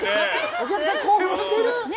お客さん興奮してる？